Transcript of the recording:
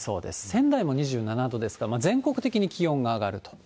仙台も２７度ですから、全国的に気温が上がると。